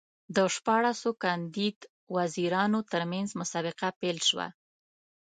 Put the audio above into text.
د شپاړسو کاندید وزیرانو ترمنځ مسابقه پیل شوه.